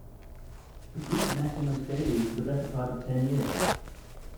The group met almost daily for the better part of ten years.